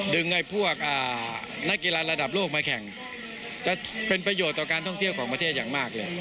ไอ้พวกนักกีฬาระดับโลกมาแข่งจะเป็นประโยชน์ต่อการท่องเที่ยวของประเทศอย่างมากเลย